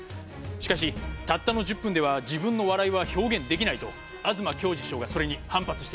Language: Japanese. しかしたったの１０分では自分の笑いは表現できないと東京二師匠がそれに反発しています。